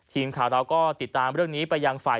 ทีมข่าวเราก็ติดตามเรื่องนี้ไปยังฝ่าย